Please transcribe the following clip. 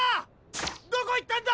どこいったんだ！